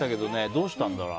どうしたんだろう。